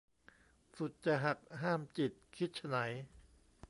สุดจะหัก ห้ามจิต คิดไฉน